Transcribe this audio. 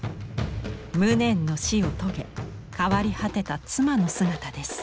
無念の死を遂げ変わり果てた妻の姿です。